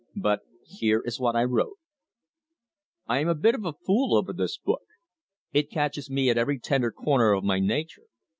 But here is what I wrote: "I am a bit of a fool over this book. It catches me at every tender corner of my nature.